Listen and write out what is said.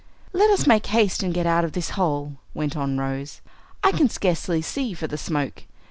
"Let us make haste and get out of this hole," went on Rose. "I can scarcely see for the smoke.